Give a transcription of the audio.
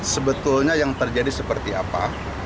sebetulnya yang terjadi seperti apa